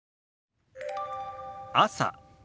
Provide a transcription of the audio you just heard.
「朝」。